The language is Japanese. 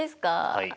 はい。